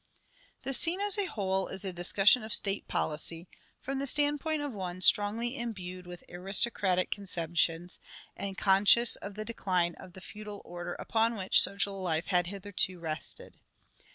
The scene as a whole is a discussion of state policy, from the standpoint of one strongly imbued with aristocratic conceptions, and conscious of the decline of the feudal order upon which social life had hitherto rested.